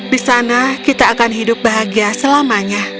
di sana kita akan hidup bahagia selamanya